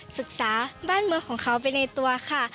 ศึกษาบ้านเมืองของเขาไปในตัวค่ะ